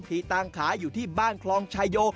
ที่ตั้งขายอยู่ที่บ้านคลองชายโย